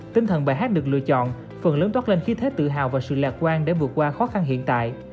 tinh thần bài hát được lựa chọn phần lớn toát lên khí thế tự hào và sự lạc quan để vượt qua khó khăn hiện tại